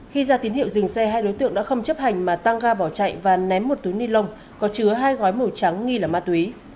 khi ra tín hiệu dừng xe hai đối tượng đã không chấp hành mà tăng ga bỏ chạy và ném một túi ni lông có chứa hai gói màu trắng nghi là ma túy